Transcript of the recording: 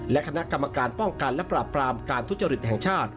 และคณะกรรมการป้องกันและปราบปรามการทุจริตแห่งชาติ